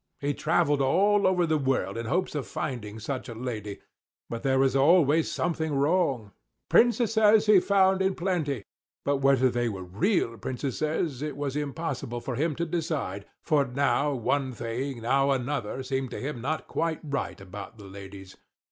He travelled all over the world in hopes of finding such a lady; but there was always something wrong. Princesses he found in plenty; but whether they were real Princesses it was impossible for him to decide, for now one thing, now another, seemed to him not quite right about the ladies.